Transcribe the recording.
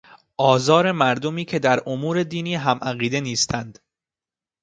آزار مردمی که در امور دینی هم عقیده نیستند